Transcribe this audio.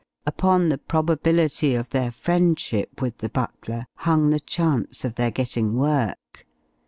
Upon the probability of their friendship with the butler hung the chance of their getting work.